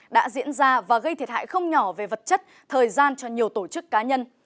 đã diễn ra và gây thiệt hại không nhỏ về vật chất thời gian cho nhiều tổ chức cá nhân